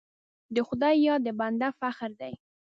د خدای یاد د بنده فخر دی.